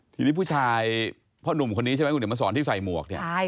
ทีนี้ผู้ชายพ่อหนุ่มคนนี้ใช่ไหมคุณเดี๋ยวมาสอนที่ใส่หมวกเนี่ย